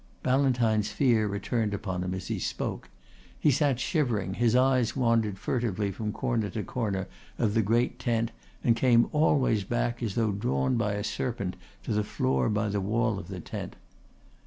Ballantyne's fear returned upon him as he spoke. He sat shivering; his eyes wandered furtively from corner to corner of the great tent and came always back as though drawn by a serpent to the floor by the wall of the tent.